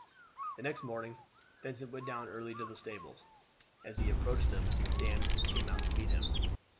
The next morning Vincent went down early to the stables. As he approached them Dan came out to meet him.